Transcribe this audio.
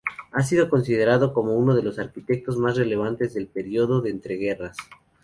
Ha sido considerado como uno de los arquitectos más relevantes del periodo de entreguerras.